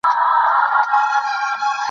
د غلجيو قبيلې مشري تر ډيرو توخي قوم کوله.